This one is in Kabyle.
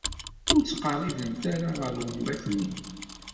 Ur ttqeṛṛibemt-ara ɣer umḍiq-nni.